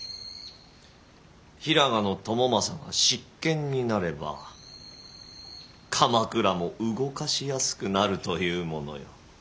平賀朝雅が執権になれば鎌倉も動かしやすくなるというものよ。